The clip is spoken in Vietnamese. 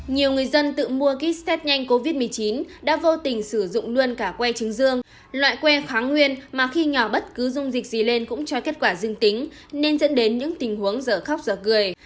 nhiều người dân tự mua kit xét nhanh covid một mươi chín đã vô tình sử dụng luôn cả que trứng dương loại que kháng nguyên mà khi nhỏ bất cứ dung dịch gì lên cũng cho kết quả dương tính nên dẫn đến những tình huống giờ khóc giờ cười